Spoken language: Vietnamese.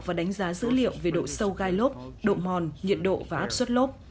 và đánh giá dữ liệu về độ sâu gai lốp độ mòn nhiệt độ và áp suất lốp